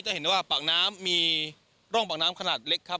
จะเห็นว่าปากน้ำมีร่องปากน้ำขนาดเล็กครับ